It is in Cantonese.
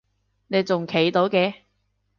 你仲企到嘅？